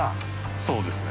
そうですね。